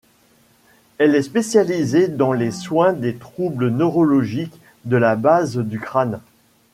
Elle est spécialisée dans les soins des troubles neurologiques de la base du crâne.